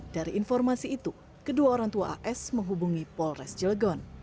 dari informasi itu kedua orang tua as menghubungi polres cilegon